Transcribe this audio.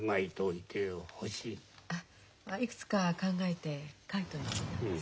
いくつか考えて書いといたんです。